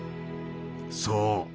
そう。